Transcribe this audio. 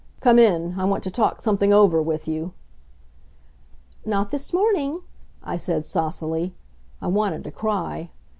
"Come in; I want to talk something over with you." "Not this morning," I said saucily. I wanted to cry.